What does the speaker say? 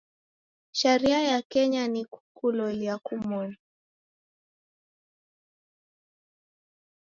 Sharia ya Kenya, ni kukulolia kumoni.